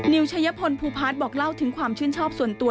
ชัยพลภูพาร์ทบอกเล่าถึงความชื่นชอบส่วนตัว